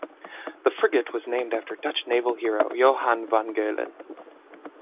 The frigate was named after Dutch naval hero Johan van Galen.